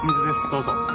どうぞ。